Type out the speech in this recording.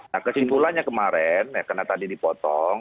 nah kesimpulannya kemarin ya karena tadi dipotong